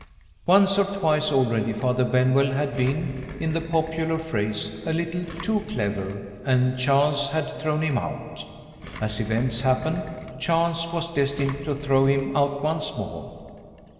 Once or twice already Father Benwell had been (in the popular phrase) a little too clever and chance had thrown him out. As events happened, chance was destined to throw him out once more.